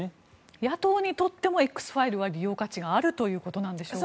野党にとってもＸファイルは利用価値があるということなのでしょうか。